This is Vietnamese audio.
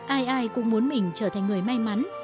ai ai cũng muốn mình trở thành người may mắn